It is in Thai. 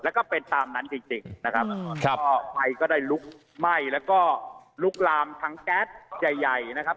แล้วก็เป็นตามนั้นจริงจริงนะครับก็ไฟก็ได้ลุกไหม้แล้วก็ลุกลามทั้งแก๊สใหญ่ใหญ่นะครับ